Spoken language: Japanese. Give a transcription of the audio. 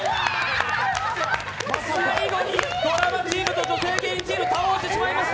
最後にドラマチームと女性芸人チーム倒してしまいました！